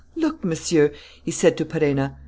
"Look, Monsieur," he said to Perenna.